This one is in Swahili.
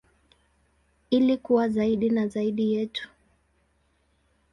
Ili kuwa zaidi na zaidi yetu.